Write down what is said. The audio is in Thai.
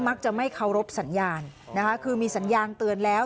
จะไม่เคารพสัญญาณนะคะคือมีสัญญาณเตือนแล้ว